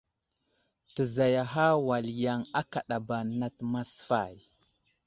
Təzayaha wal yaŋ akadaba nat masfay.